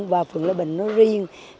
và phượng lê bình nói riêng